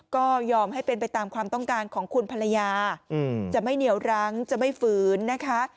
ก็ยอมให้เป็นไปตามความต้องการของคุณภรรยาจะไม่เหนียวรั้งจะไม่ฝืนนะคะ